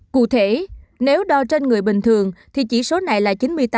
cụ thể nếu đo trên người bình thường thì chỉ số này là chín mươi tám một trăm linh